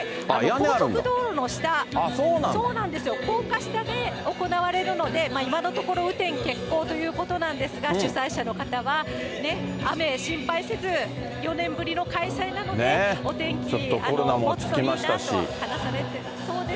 高速道路の下、高架下で行われるので、今のところ雨天決行ということなんですが、主催者の方は、雨心配せず、４年ぶりの開催なので、お天気もつといいなと話されていました。